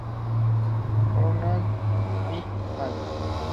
Conrad "et al.